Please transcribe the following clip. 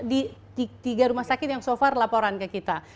di tiga rumah sakit yang so far laporan ke kita